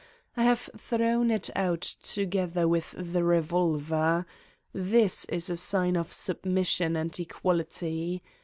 I have thrown it out together with the revolver. This is a sign of sub mission and equality.